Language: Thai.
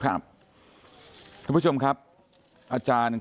คุณยายบอกว่ารู้สึกเหมือนใครมายืนอยู่ข้างหลัง